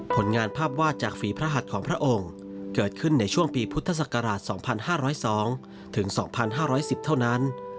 ผลงานภาพวาดจากฝีพระหัสของพระองค์เกิดขึ้นในช่วงปีพุทธศักราช๒๕๐๒ถึง๒๕๑๐เท่านั้น